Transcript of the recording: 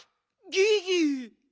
ギギ！